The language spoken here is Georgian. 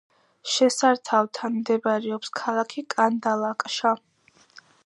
შესართავთან მდებარეობს ქალაქი კანდალაკშა.